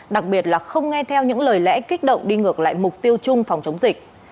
đặc biệt là không nghe theo những lời lẽ kích động đi ngược lại mục tiêu chung phòng chống dịch